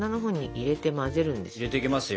入れていきますよ。